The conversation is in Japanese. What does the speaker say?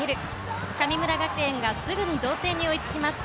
神村学園がすぐに同点に追いつきます。